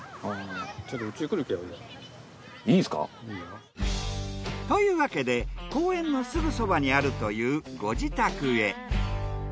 いいよ。というわけで公園のすぐそばにあるというご自宅へ。